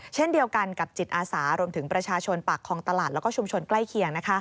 เช่นเดียวกันกับจิตอาสารวมถึงประชาชนปากคลองตลาดแล้วก็ชุมชนใกล้เคียง